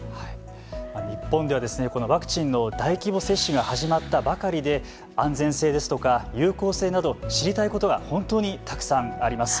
日本ではこのワクチンの大規模接種が始まったばかりで安全性ですとか有効性など知りたいことが本当にたくさんあります。